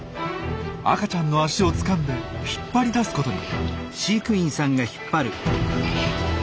赤ちゃんの足をつかんで引っ張り出すことに。